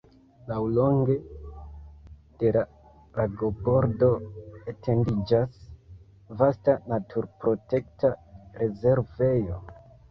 Laŭlonge de la lagobordo etendiĝas vasta naturprotekta rezervejo.